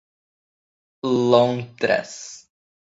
Lontras